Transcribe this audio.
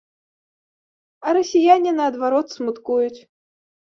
А расіяне, наадварот, смуткуюць.